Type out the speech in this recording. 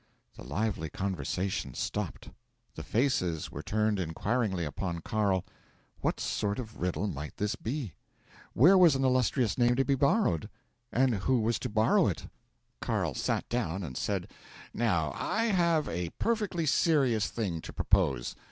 'The lively conversation stopped. The faces were turned inquiringly upon Carl. What sort of riddle might this be? Where was an illustrious name to be borrowed? And who was to borrow it? 'Carl sat down, and said: '"Now, I have a perfectly serious thing to propose.